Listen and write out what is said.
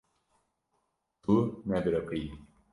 Tu nebiriqiyî.